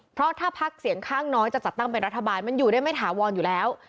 เพราะถ้าพักเสียงข้างน้อยจะจัดตั้งเป็นรัฐบาลมันอยู่ได้ไม่ถาวรอยู่แล้ว